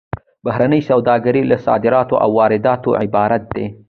بهرنۍ سوداګري له صادراتو او وارداتو عبارت ده